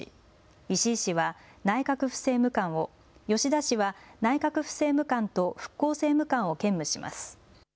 石井氏は内閣府政務官を、吉田氏は内閣府政務官と復興政務官を兼務します。